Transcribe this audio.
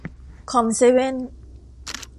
คอมเซเว่น